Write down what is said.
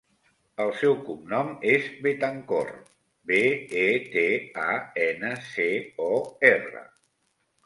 El seu cognom és Betancor: be, e, te, a, ena, ce, o, erra.